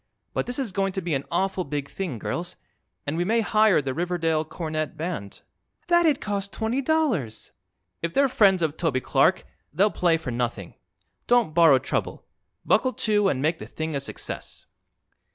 "But this is going to be an awful big thing, girls, and we may hire the Riverdale Cornet Band." "That'd cost twenty dollars." "If they're friends of Toby Clark they'll play for nothing. Don't borrow trouble. Buckle to, and make the thing a success."